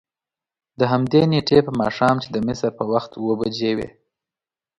دهمدې نېټې په ماښام چې د مصر په وخت اوه بجې وې.